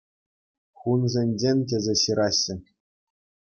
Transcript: Хунсенчен тесе ҫыраҫҫӗ.